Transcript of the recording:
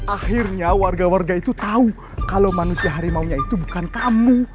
akhirnya warga warga itu tahu kalau manusia harimaunya itu bukan kamu